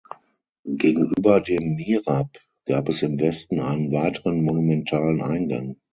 Gegenüber dem Mihrab gab es im Westen einen weiteren monumentalen Eingang.